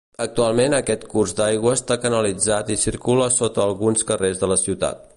Actualment aquest curs d'aigua està canalitzat i circula sota alguns carrers de la ciutat.